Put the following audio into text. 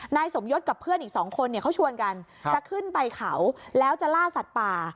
นายสมยศกับเพื่อนอีกสองคนเนี่ยเขาชวนกันจะขึ้นไปเขาแล้วจะล่าสัตว์ป่า